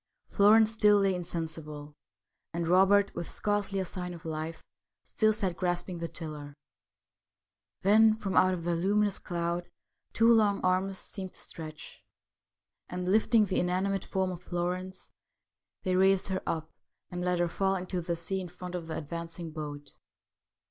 Florence still lay insensible, and Robert, with scarcely a sign of life, still sat grasping the tiller. Then from out the luminous cloud two long arms seemed to stretch, and, lifting the inanimate form of Florence, they raised her up, and let her fall into the sea in front of the advancing boat.